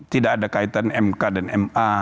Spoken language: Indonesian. tidak ada kaitan mk dan ma